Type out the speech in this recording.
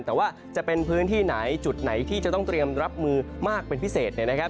แต่ว่าจะเป็นพื้นที่ไหนจุดไหนที่จะต้องเตรียมรับมือมากเป็นพิเศษเนี่ยนะครับ